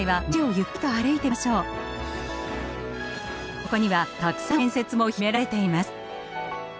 そこにはたくさんの伝説も秘められています。